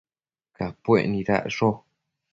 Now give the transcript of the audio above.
Capuec nidacsho